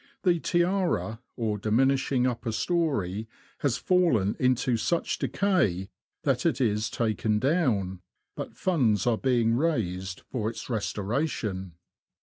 The tiara, or diminishing upper storey, has fallen into such decay that it is taken down ; but funds are being raised for its restoration.